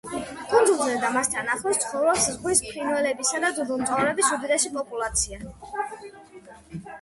კუნძულზე და მასთან ახლოს ცხოვრობს ზღვის ფრინველებისა და ძუძუმწოვრების უდიდესი პოპულაცია.